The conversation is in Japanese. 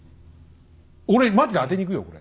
俺マジで当てにいくよこれ。